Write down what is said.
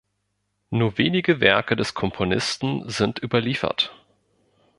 Nur wenige Werke des Komponisten sind überliefert.